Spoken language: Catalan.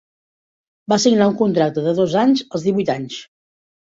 Va signar un contracte de dos anys als divuit anys.